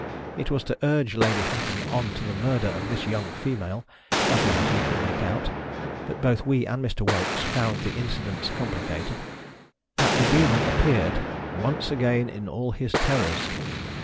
It was to urge Lady Hatton on to the murder of this young female (as well as we could make out, but both we and Mr„ Whelks found the incidents complicated) that the Demon appeared "once again in all his terrors."